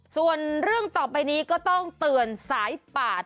ส่วนเรื่องต่อไปนี้ก็ต้องเตือนสายปาด